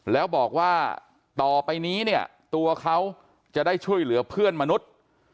แล้วบอกว่าต่อไปนี้เนี่ยตัวเขาจะได้ช่วยเหลือเพื่อนมนุษย์